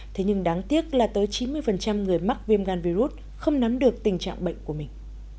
thế nhưng đáng tiếc là tới chín mươi người mắc viêm gan virus không nắm được tình trạng bệnh của mình